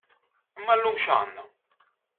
Imma llum x'għandna?